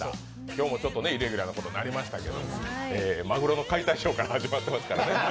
今日もちょっとイレギュラーなことになりましたけどマグロの解体ショーから始まってますからね。